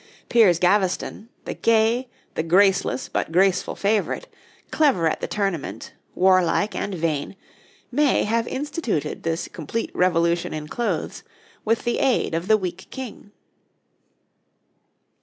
Piers Gaveston, the gay, the graceless but graceful favourite, clever at the tournament, warlike and vain, may have instituted this complete revolution in clothes with the aid of the weak King.